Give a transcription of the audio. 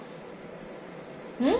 うん？